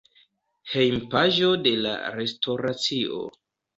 Hejmpaĝo de la restoracio.